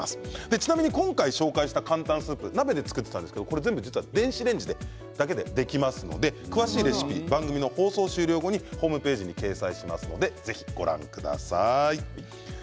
ちなみに今回紹介した簡単スープを鍋で作っていましたが実は電子レンジでできますので詳しいレシピは番組の放送終了後ホームページに掲載しますのでぜひご覧ください。